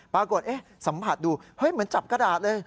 ปรากฏสัมผัสดูเฮ้ยเหมือนจับกระดาษเลย